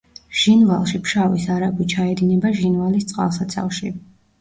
ჟინვალში ფშავის არაგვი ჩაედინება ჟინვალის წყალსაცავში.